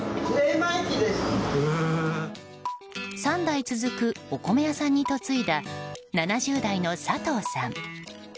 ３代続くお米屋さんに嫁いだ７０代の佐藤さん。